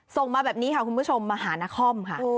มาแบบนี้ค่ะคุณผู้ชมมาหานครค่ะ